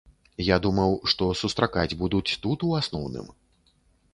Я думаў, што сустракаць будуць тут ў асноўным.